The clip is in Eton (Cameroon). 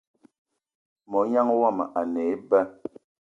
Mognan yomo a ne eba